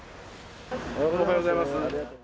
おはようございます。